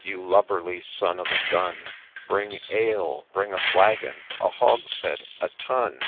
you lubberly son of a gun I Bring ale !— bring a flagon — a hogshead — a tun